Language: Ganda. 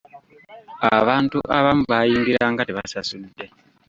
Abantu abamu baayingiranga tebasasudde.